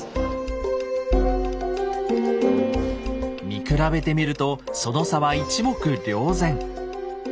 見比べてみるとその差は一目瞭然！